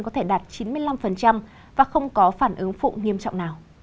có thể đạt chín mươi năm và không có phản ứng phụ nghiêm trọng nào